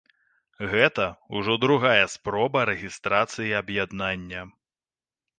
Гэта ўжо другая спроба рэгістрацыі аб'яднання.